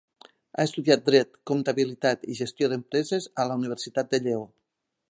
Ha estudiat Dret, Comptabilitat i Gestió d'Empreses a la Universitat de Lleó.